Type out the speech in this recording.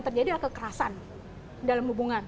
terjadi adalah kekerasan dalam hubungan